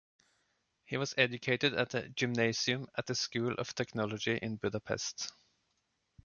He was educated at the gymnasium and at the school of technology in Budapest.